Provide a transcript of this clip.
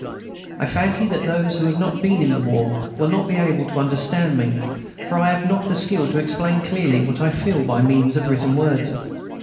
I fancy that those who have not been in this war will not be able to understand me, for I have not the skill to explain clearly what I feel by means of written words.